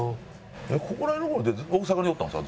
ここら辺の頃って大阪におったんですか？